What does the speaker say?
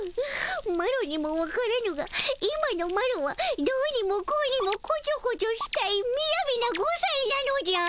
マロにもわからぬが今のマロはどにもこにもこちょこちょしたいみやびな５さいなのじゃ。